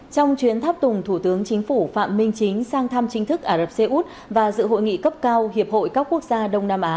trong chuyến tháp tùng thủ tướng chính phủ phạm minh chính sang thăm chính thức ả rập xê út và dự hội nghị cấp cao hiệp hội các quốc gia đông nam á